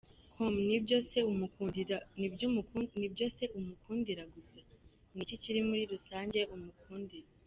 com: Ni ibyo se umukundira gusa? Ni iki muri rusange umukundira ?.